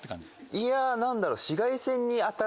いや何だろう？